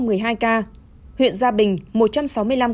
huyện gia bình một trăm sáu mươi năm ca